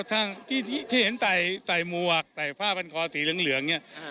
ที่เห็นใส่ใส่มวกใส่ผ้าผันคอสีเหลืองเหลืองเนี่ยอ่า